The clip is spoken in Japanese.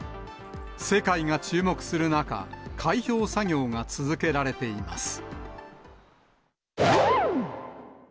世界が注目する中、開票作業が続けられています。